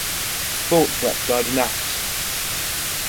Sports website and apps.